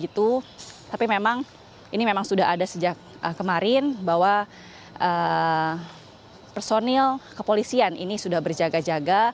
tapi memang ini memang sudah ada sejak kemarin bahwa personil kepolisian ini sudah berjaga jaga